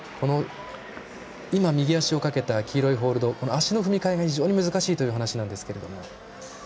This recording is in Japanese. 今、右足をかけた黄色いホールド足の踏みかえが非常に難しいというお話なんですけども。